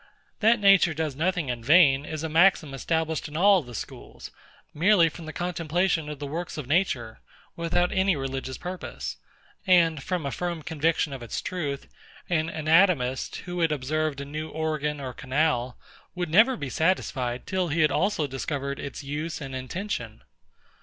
That Nature does nothing in vain, is a maxim established in all the schools, merely from the contemplation of the works of Nature, without any religious purpose; and, from a firm conviction of its truth, an anatomist, who had observed a new organ or canal, would never be satisfied till he had also discovered its use and intention.